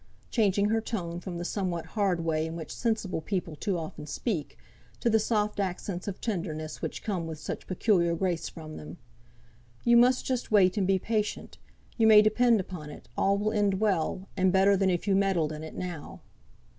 changing her tone from the somewhat hard way in which sensible people too often speak, to the soft accents of tenderness which come with such peculiar grace from them; "you must just wait and be patient. You may depend upon it, all will end well, and better than if you meddled in it now."